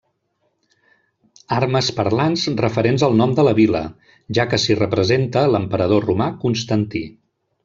Armes parlants referents al nom de la vila, ja que s'hi representa l'emperador romà Constantí.